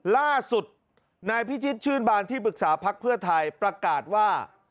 ล่าสุดนายพิชิตชื่นบานที่ปรึกษาพักเพื่อไทยประกาศว่า